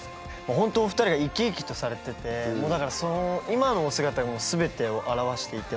ほんとお二人が生き生きとされててもうだからその今のお姿がもう全てを表していて。